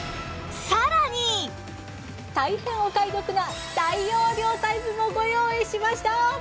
大変お買い得な大容量タイプもご用意しました！